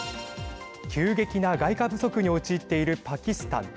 急激な外貨不足に陥っているパキスタン。